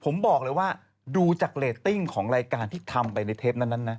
ไม่สนใจเรื่องไก่ตัว